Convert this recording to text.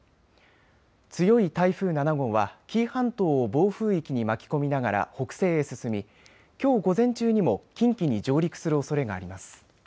強い台風７号は紀伊半島を暴風域に巻き込みながら北西へ進みきょう午前中にも近畿に上陸するおそれがあります。